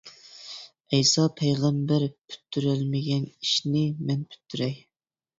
ئەيسا پەيغەمبەر پۈتتۈرەلمىگەن ئىشنى مەن پۈتتۈرەي.